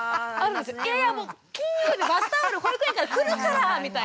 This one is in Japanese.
いやいや金曜日バスタオル保育園からくるからみたいな。